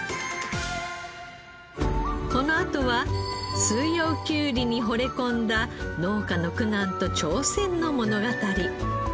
このあとは四葉きゅうりにほれ込んだ農家の苦難と挑戦の物語。